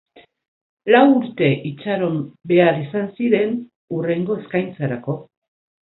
Lau urte itxaron behar izan ziren hurrengo eskaintzarako.